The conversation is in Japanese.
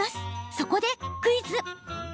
そこで、クイズ。